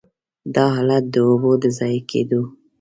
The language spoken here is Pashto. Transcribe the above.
دا حالت د اوبو د ضایع کېدو.